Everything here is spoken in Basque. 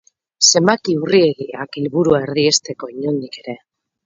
Zenbaki urriegiak helburua erdiesteko inondik ere.